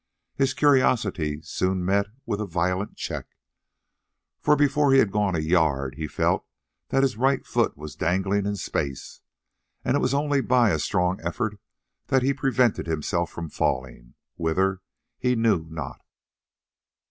His curiosity soon met with a violent check, for before he had gone a yard he felt that his right foot was dangling in space, and it was only by a strong effort that he prevented himself from falling, whither he knew not.